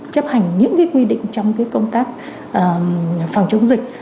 chấp hành những quy định trong công tác phòng chống dịch